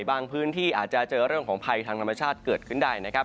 บางพื้นที่อาจจะเจอเรื่องของภัยทางธรรมชาติเกิดขึ้นได้นะครับ